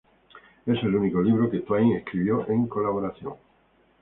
Es el único libro que Twain escribió en colaboración.